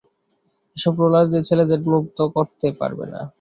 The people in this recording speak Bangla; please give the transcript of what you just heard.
এসব রোলার দিয়ে ছেলেদের মুগ্ধ করতে পারবে না।